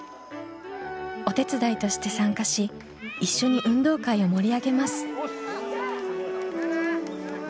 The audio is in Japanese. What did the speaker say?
お手伝いとして参加し一緒に運動会を盛り上げます。